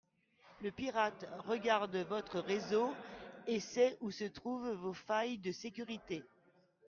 Le pirate regarde votre réseau et sait où se trouvent vos failles de sécurités.